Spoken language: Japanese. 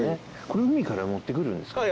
これを海から持ってくるんですか？